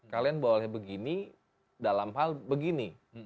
kalian boleh begini dalam hal begini